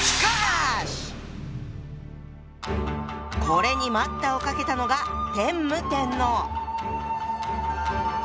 これに待ったをかけたのがえ？